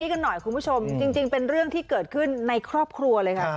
กันหน่อยคุณผู้ชมจริงเป็นเรื่องที่เกิดขึ้นในครอบครัวเลยค่ะ